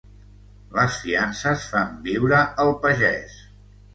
Les fiances fan viure el pagès.